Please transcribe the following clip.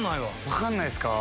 分かんないっすか。